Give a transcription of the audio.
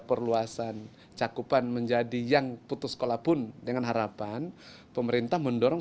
perluasan cakupan menjadi yang putus sekolah pun dengan harapan pemerintah mendorong